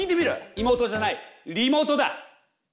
いもうとじゃないリモートだ！